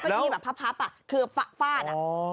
เก้าอี้แบบพับคือฟาด